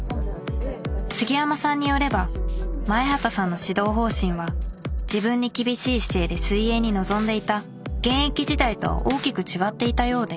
杉山さんによれば前畑さんの指導方針は自分に厳しい姿勢で水泳に臨んでいた現役時代とは大きく違っていたようで